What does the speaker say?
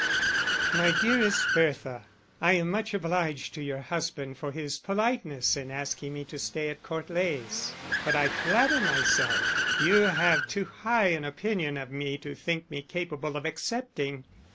_My dearest Bertha, I am much obliged to your husband for his politeness in asking me to stay at Court Leys; but I flatter myself you have too high an opinion of me to think me capable of accepting.